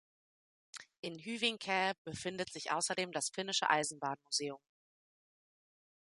In Hyvinkää befindet sich außerdem das Finnische Eisenbahnmuseum.